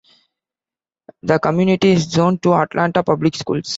The community is zoned to Atlanta Public Schools.